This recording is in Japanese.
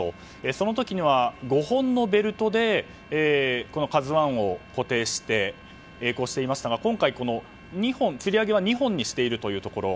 その時には５本のベルトで「ＫＡＺＵ１」を固定して曳航していましたが今回、つり上げは２本にしているというところ。